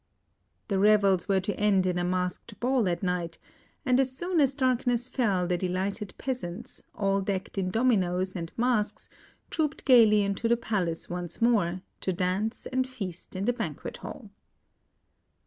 The revels were to end in a masked ball at night, and as soon as darkness fell, the delighted peasants, all decked in dominoes and masks, trooped gaily into the palace once more, to dance and feast in the banquet hall.